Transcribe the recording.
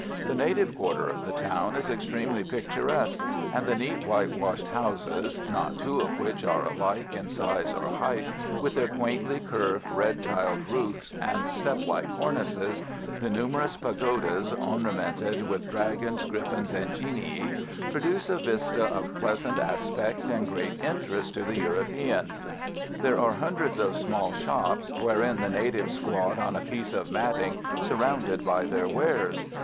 The native quarter of the town is extremely picturesque, and the neat whitewashed houses, not two of which are alike in size or height, with their quaintly curved, red tiled roofs, and step like cornices, the numerous pagodas ornamented with dragons, griffins and genii, produce a vista of pleasant aspect and great interest to the European. There are hundreds of small shops, wherein the natives squat on a piece of matting, surrounded by their wares.